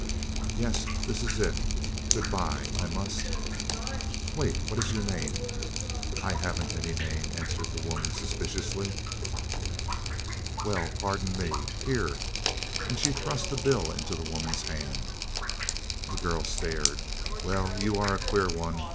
"Yes, this is it good bye I must " "Wait what is your name?" "I haven't any name," answered the woman suspiciously. "Well pardon me! Here!" and she thrust a bill into the woman's hand. The girl stared. "Well, you're a queer one!